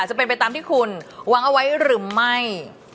จะเป็นไปตามที่คุณหวังเอาไว้หรือไม่